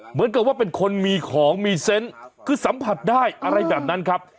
เหมือนกับว่าเป็นคนมีของมีเซนต์คือสัมผัสได้อะไรแบบนั้นครับ